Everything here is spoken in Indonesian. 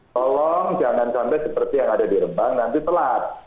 tolong jangan sampai seperti yang ada di rembang nanti telat